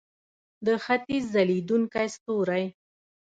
د ختیځ ځلیدونکی ستوری.